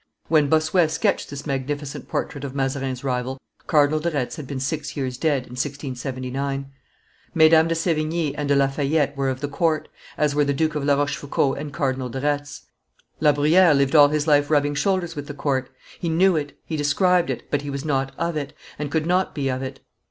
When Bossuet sketched this magnificent portrait of Mazarin's rival, Cardinal de Retz had been six years dead, in 1679. Mesdames de Sevigne and de La Fayette were of the court, as were the Duke of La Rochefoucauld and Cardinal de Retz. La Bruyere lived all his life rubbing shoulders with the court; he knew it, he described it, but he was not of it, and could not be of it.